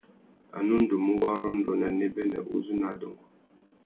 A nu ndú mú warrôndô nà nêbênê uzu nà adôngô.